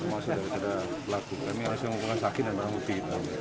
maksudnya ada pelaku kami harus mengunggah sakin dan merah muti